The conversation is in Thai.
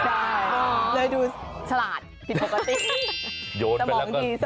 ใช่เลยดูฉลาดผิดปกติ